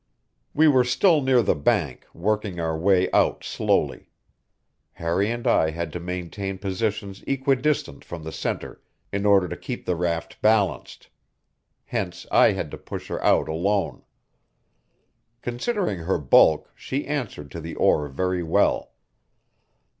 We were still near the bank, working our way out slowly. Harry and I had to maintain positions equidistant from the center in order to keep the raft balanced; hence I had to push her out alone. Considering her bulk, she answered to the oar very well.